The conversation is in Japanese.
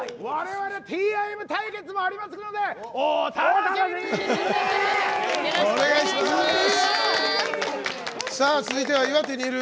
われわれＴＩＭ対決もありますのでお楽しみに！